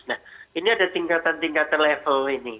nah ini ada tingkatan tingkatan level ini